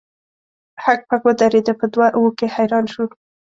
هک پک ودریده په دوه وو کې حیران شو.